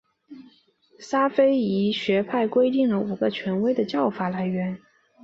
沙斐仪学派规定了五个权威的教法来源。